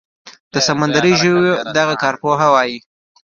د سمندري ژویو دغه کارپوهه وايي